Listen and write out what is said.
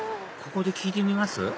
ここで聞いてみます？